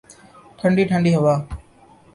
ٹھنڈی ٹھنڈی ہوا